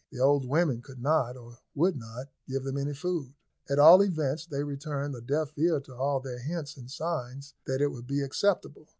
The old women could not, or would not, give them any food. At all events, they turned a deaf ear to all their hints and signs that it would be acceptable.